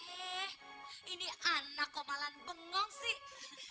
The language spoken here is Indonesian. eh ini anakku malah bengong sih